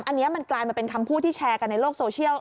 อันนี้มันกลายมาเป็นคำพูดที่แชร์กันในโลกโซเชียล